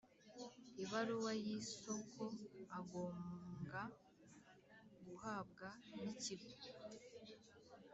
ibaruwa y’isoko agombwa guhabwa n’Ikigo